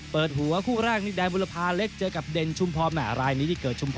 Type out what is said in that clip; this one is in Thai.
เปิดหัวคู่แรกนี่แดงบุรพาเล็กเจอกับเด่นชุมพรแหม่รายนี้ที่เกิดชุมพร